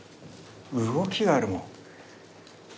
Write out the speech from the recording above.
動きがあるもん。